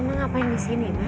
mama ngapain di sini ma